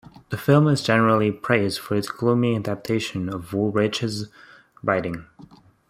The film is generally praised for its gloomy adaptation of Woolrich's writing.